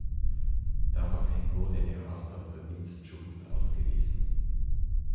Daraufhin wurde er aus der Provinz Chubut ausgewiesen.